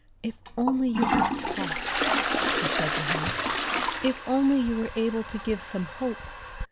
"If only you could talk," she said to him. "If only you were able to give some hope.